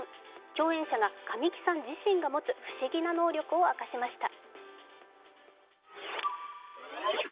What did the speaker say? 共演者が神木さん自身が持つ、不思議な能力を明かしました。